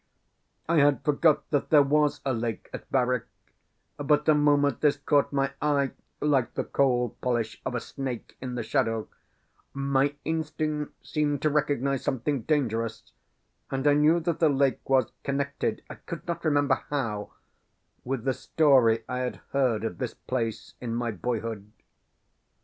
I had forgot that there was a lake at Barwyke; but the moment this caught my eye, like the cold polish of a snake in the shadow, my instinct seemed to recognize something dangerous, and I knew that the lake was connected, I could not remember how, with the story I had heard of this place in my boyhood.